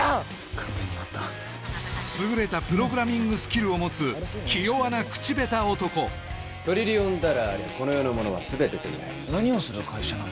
完全に終わった優れたプログラミングスキルを持つ気弱な口下手男トリリオンダラーありゃこの世のものは全て手に入る何をする会社なの？